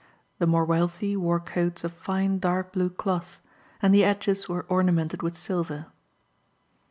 The more wealthy wore coats of fine dark blue cloth, and the edges were ornamented with silver.